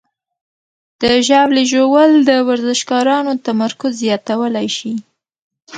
د ژاولې ژوول د ورزشکارانو تمرکز زیاتولی شي.